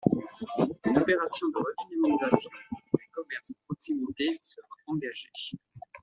Une opération de redynamisation des commerces de proximité sera engagée.